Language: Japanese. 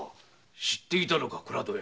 知っていたのか倉戸屋。